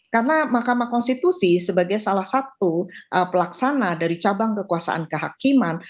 karena mahkamah konstitusi sebagai salah satu pelaksana dari cabang kekuasaan kehakiman